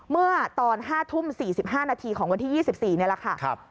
เมื่อตอน๑๒๐๐ที่๒๕นาทีของวันที่๒๔๐๐นนะคะ